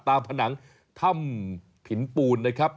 ผนังถ้ำผินปูนนะครับ